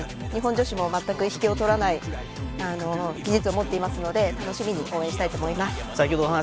日本女子も引けを取らない技術を持っていますので楽しみに応援したいと思います。